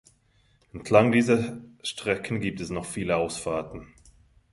Entlang dieser Strecken gibt es noch viele Ausfahrten.